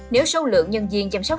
nếu số lượng nhân viên chăm sóc